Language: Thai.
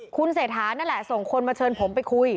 คุณเศรษฐานั่นแหละส่งคนมาเชิญผมไปคุย